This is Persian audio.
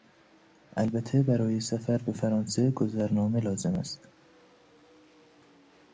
البته برای سفر به فرانسه گذرنامه لازم است.